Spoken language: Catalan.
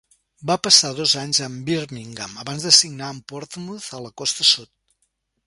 Va passar dos anys amb Birmingham abans de signar amb Portsmouth a la costa sud.